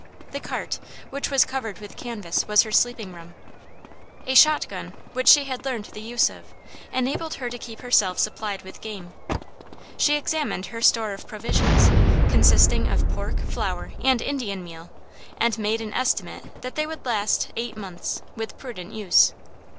The cart, which was covered with canvas, was her sleeping room. A shotgun, which she had learned the use of, enabled her to keep herself supplied with game. She examined her store of provisions, consisting of pork, flour, and Indian meal, and made an estimate that they would last eight months, with prudent use.